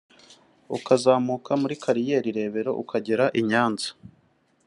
ukazamuka muri Kariyeri-Rebero ukagera i Nyanza